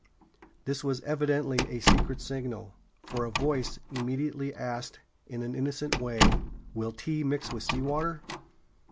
This was evidently a secret signal, for a voice immediately asked in an innocent way: "Will tea mix with sea water?"